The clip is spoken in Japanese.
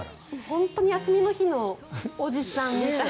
本当に休みの日のおじさん。